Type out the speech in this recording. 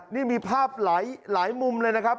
นี่มีภาพหลายมุมเลยนะครับ